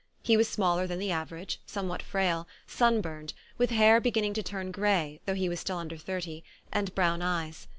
He was smaller than the average, somewhat frail, sun burned, with hair beginning to turn grey though he was still under thirty, and brown eyes.